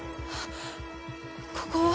ここは？